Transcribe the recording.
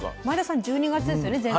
前田さん１２月ですよね？